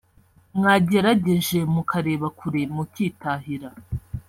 mwagerageje mukareba kure mukitahira